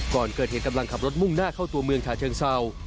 ก่อนเกิดเหตุกำลังขับรถมุ่งหน้าเข้าตัวเมืองฉาเชิงเศร้า